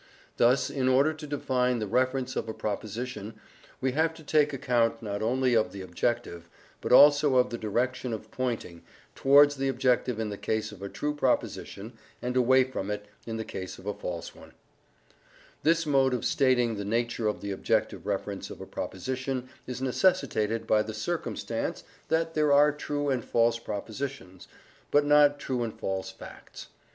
Thus, in order to define the reference of a proposition we have to take account not only of the objective, but also of the direction of pointing, towards the objective in the case of a true proposition and away from it in the case of a false one. * I owe this way of looking at the matter to my friend Ludwig Wittgenstein. This mode of stating the nature of the objective reference of a proposition is necessitated by the circumstance that there are true and false propositions, but not true and false facts.